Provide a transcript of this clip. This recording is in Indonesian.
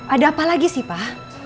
ada apa lagi sih pak